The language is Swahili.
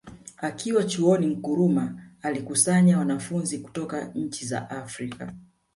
Akiwa Chuoni Nkrumah alikusanya wanafunzi kutoka nchi za Afrika